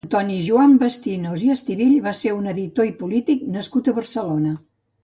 Antoni Joan Bastinos i Estivill va ser un editor i polític nascut a Barcelona.